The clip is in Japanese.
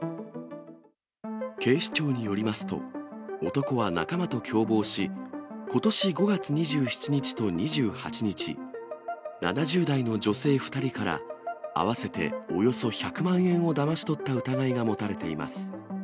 警視庁によりますと、男は仲間と共謀し、ことし５月２７日と２８日、７０代の女性２人から、合わせておよそ１００万円をだまし取った疑いが持たれています。